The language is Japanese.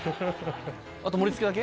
あと盛り付けだけ？